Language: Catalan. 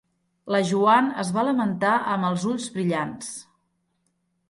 La Joan es va lamentar amb els ulls brillants.